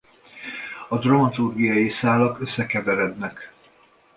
A dramaturgiai szálak összekeverednek.